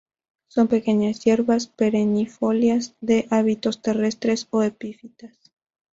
Son pequeñas hierbas perennifolias de hábitos terrestres o epífitas.